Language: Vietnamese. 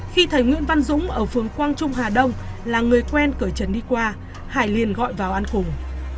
khi thầy nguyễn văn dũng ở phương quang trung hà đông là người quen cởi chân đi qua hải liền gọi vào ăn cùng